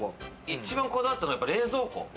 一番こだわったのは冷蔵庫。